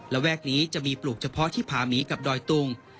แวกนี้จะมีปลูกเฉพาะที่ผาหมีกับดอยตุง